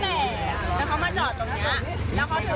ไปมาเขาเดินเขาบอกให้วางละม้วนเขาเดินข้ามมาเนี่ย